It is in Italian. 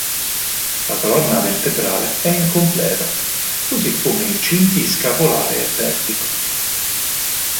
La colonna vertebrale è incompleta, così come i cinti scapolare e pelvico.